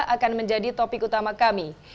akan menjadi topik utama kami